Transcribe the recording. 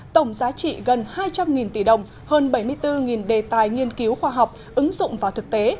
tổng giá trị gần hai trăm linh tỷ đồng hơn bảy mươi bốn đề tài nghiên cứu khoa học ứng dụng vào thực tế